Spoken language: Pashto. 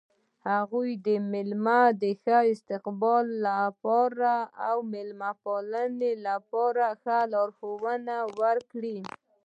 هغه د میلمنو د ښه استقبال او میلمه پالنې لپاره لارښوونې وکړې.